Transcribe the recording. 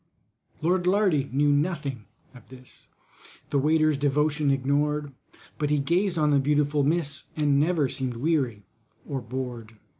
LORD LARDY knew nothing of this— The waiter's devotion ignored, But he gazed on the beautiful miss, And never seemed weary or bored.